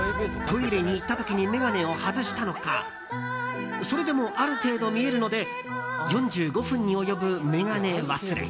トイレに行った時に眼鏡を外したのかそれでも、ある程度見えるので４５分に及ぶ眼鏡忘れ。